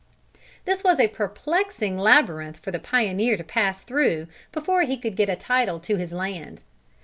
This was a perplexing labyrinth for the pioneer to pass through, before he could get a title to his land.